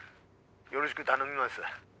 よろしぐ頼みます。